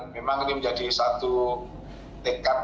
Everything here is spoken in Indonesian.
memang ini menjadi satu tekad